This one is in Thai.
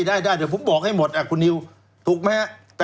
ได้ได้เดี๋ยวผมบอกให้หมดคุณนิวถูกไหมฮะ